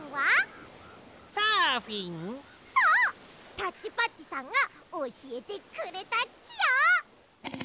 タッチパッチさんがおしえてくれたっちよ！